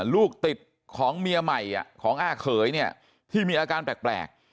ลูกติดของเมียใหม่ของอ้าเขยเนี่ยที่มีอาการแปลก